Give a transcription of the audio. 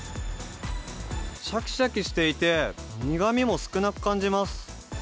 しゃきしゃきしていて、苦みも少なく感じます。